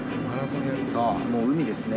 さあ、もう海ですね。